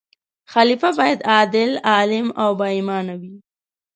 خلیفه باید عادل، عالم او با ایمان وي.